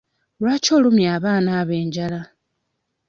Lwaki olumya abaana abo enjala?